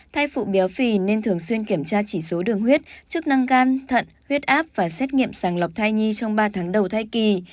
thai phụ béo phì nên thường xuyên kiểm tra chỉ số đường huyết chức năng gan thận huyết áp và xét nghiệm sàng lọc thai nhi trong ba tháng đầu thai kỳ